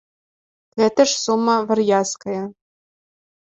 Гэта ж сума вар'яцкая.